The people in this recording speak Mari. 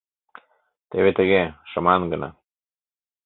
— Теве тыге, шыман гына...